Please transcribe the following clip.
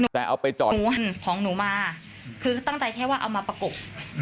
ในแผนละไปก่อนอายห์นของหนูมาคือตั้งใจเที่ยวว่าเอามาประกบ